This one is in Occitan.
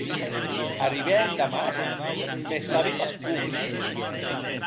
Arribè en Damasc, mès sabi pas com.